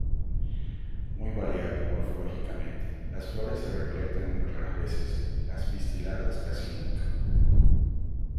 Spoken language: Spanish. Muy variable morfológicamente; las flores se recolectan muy raras veces, las pistiladas casi nunca.